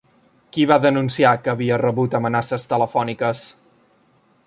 Qui va denunciar que havia rebut amenaces telefòniques?